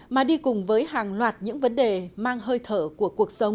mà đi cùng với hàng loạt những vấn đề mang hơi thở của cuộc sống